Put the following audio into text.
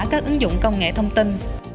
các ứng dụng công nghệ thông tin